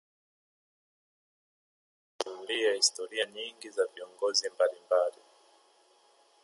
wanahistoria wanasimulia historia nyingi za viongozi mbalimbali